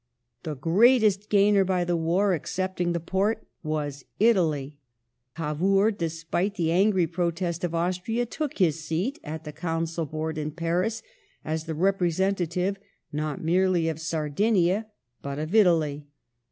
The greatest gainer by the war, excepting the Porte, was Italy. Cavour, despite the angry protest of Austria, took his place at the Council Board in Paris, as the representative not merely of Sardinia but of Italy.